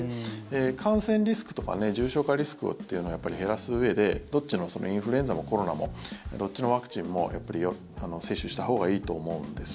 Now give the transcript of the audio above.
感染リスクとか重症化リスクを減らすうえでインフルエンザもコロナもどっちのワクチンもやっぱり接種したほうがいいと思うんです。